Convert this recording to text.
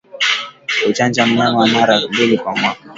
Kuchanja wanyama mara mbili kwa mwaka